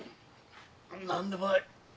何でもない。